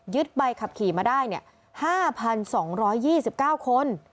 ใบขับขี่มาได้๕๒๒๙คน